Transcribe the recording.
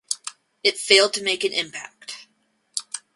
It failed to make an impact.